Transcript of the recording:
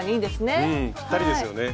ぴったりですよね。